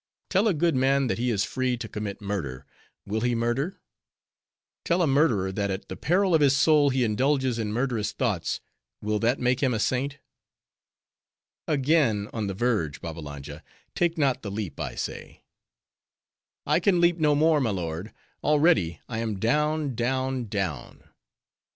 Tell a good man that he is free to commit murder,—will he murder? Tell a murderer that at the peril of his soul he indulges in murderous thoughts,—will that make him a saint?" "Again on the verge, Babbalanja? Take not the leap, I say." "I can leap no more, my lord. Already I am down, down, down."